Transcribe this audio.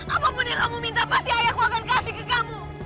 apapun yang kamu minta pasti ayahku akan kasih ke kamu